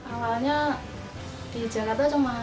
awalnya di jakarta cuma satu dua macam